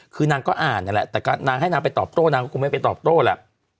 คือนางก็อ่านนั่นแหละแต่ก็นางให้นางไปตอบโต้นางก็คงไม่ไปตอบโต้แหละ